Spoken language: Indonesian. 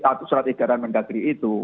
status surat edaran mendagri itu